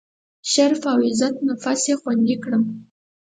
شرف او عزت نفس یې خوندي کړم.